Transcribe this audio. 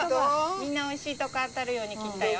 みんなおいしいとこ当たるように切ったよ。